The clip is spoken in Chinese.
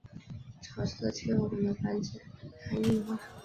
潮湿的气候可能防止糖硬化。